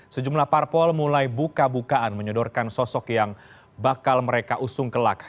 sejumlah parpol mulai buka bukaan menyodorkan sosok yang bakal mereka usung kelak